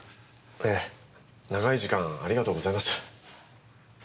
ええ長い時間ありがとうございました。